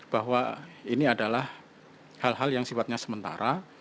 bahwa ini adalah hal hal yang sifatnya sementara